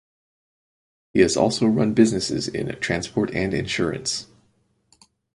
He has also run businesses in transport and insurance.